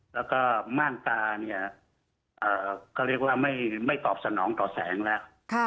แล้วก็ม่านตาเนี่ยก็เรียกว่าไม่ตอบสนองต่อแสงแล้ว